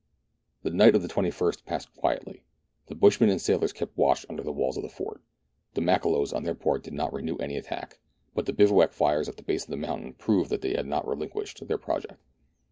The night of the 31st passed quietly. The bushman and sailors kept watch under the walls of the fort; the Makololos on their part did not renew any attack, but the bivouac fires at the foot of the mountain proved that they had not relinquished their project.